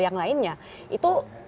yang lainnya itu